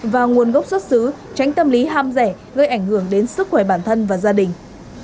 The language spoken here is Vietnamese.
và nguồn gốc xuất xứ tránh tâm lý ham rẻ gây ảnh hưởng đến sức khỏe bản thân và gia đình